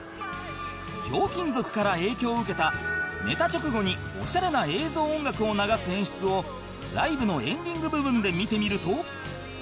『ひょうきん族』から影響を受けたネタ直後におしゃれな映像音楽を流す演出をライブのエンディング部分で見てみると